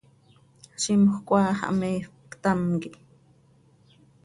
Zimjöc áa xah miifp, ctam quih.